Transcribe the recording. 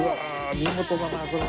見事だな。